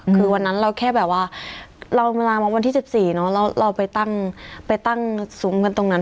คือวันนั้นเราแค่แบบว่าเรามาบนที่๑๔เนาะเราไปตั้งซุ้มกันตรงนั้น